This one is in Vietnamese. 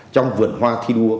trong vườn hoa thi đua